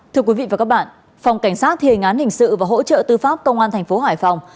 thưa quý vị và các bạn phòng cảnh sát thiên án hình sự và hỗ trợ tư pháp công an tp hải phòng